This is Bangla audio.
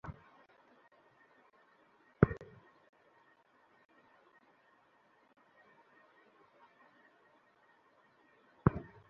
কতক্ষণ লাগবে পৌঁছাতে?